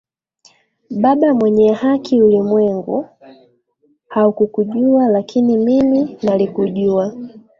Baba mwenye haki ulimwengu haukukujua lakini mimi nalikujua